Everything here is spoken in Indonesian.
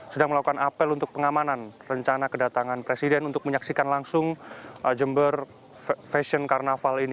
sedang melakukan apel untuk pengamanan rencana kedatangan presiden untuk menyaksikan langsung jember fashion carnaval ini